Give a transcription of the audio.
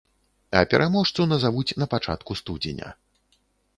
А пераможцу назавуць на пачатку студзеня.